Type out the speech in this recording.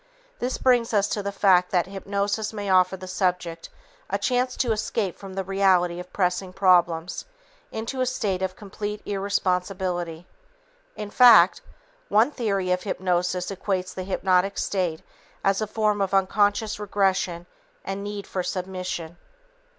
This brings us to the fact that hypnosis may offer the subject a chance to escape from the reality of pressing problems into a state of complete irresponsibility. In fact, one theory of hypnosis equates the hypnotic state as a form of unconscious regression and need for submission.